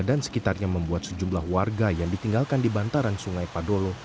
dan sekitarnya membuat sejumlah warga yang ditinggalkan di bantaran sungai padolo